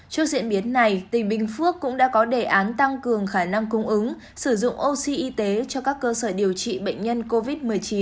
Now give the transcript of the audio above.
trước diễn biến này tỉnh bình phước cũng đã có đề án tăng cường khả năng cung ứng sử dụng oxy y tế cho các cơ sở điều trị bệnh nhân covid một mươi chín